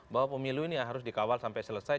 bahwa pemilu ini harus dikawal sampai selesai